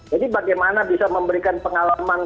jadi bagaimana bisa memberikan pengalaman